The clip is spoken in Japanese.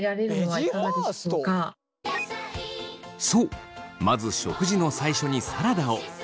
そうまず食事の最初にサラダを！